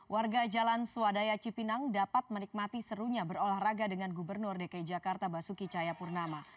warga jalan swadaya cipinang dapat menikmati serunya berolahraga dengan gubernur dki jakarta basuki cayapurnama